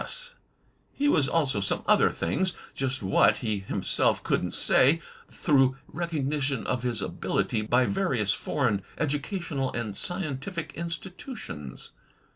S. He was also some other things — ^just what, he himself couldn't say — through recognition of his ability by various foreign educational and scientific institutions.